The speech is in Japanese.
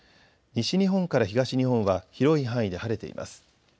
西日本から東日本は広い範囲で晴れています。